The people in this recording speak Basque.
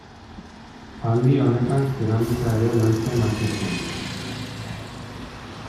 Aldi honetan zeramika ere lantzen hasi zen.